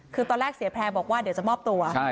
คือตอนแรกเสียแพร่บอกว่าเดี๋ยวจะมอบตัว